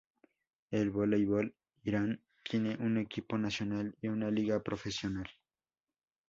En voleibol, Irán tiene un equipo nacional, y una liga profesional.